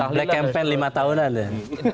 tahliah kempen lima tahunan